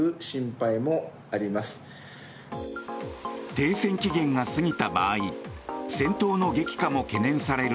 停戦期限が過ぎた場合戦闘の激化も懸念される